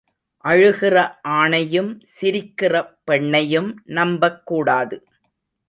அழுகிற ஆணையும் சிரிக்கிற பெண்ணையும் நம்பக் கூடாது.